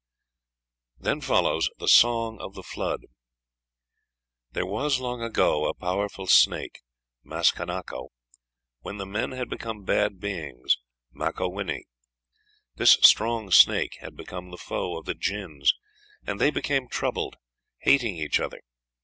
Then follows the Song of the Flood: "There was, long ago, a powerful snake, Maskanako, when the men had become bad beings, Makowini. This strong snake had become the foe of the Jins, and they became troubled, hating each other.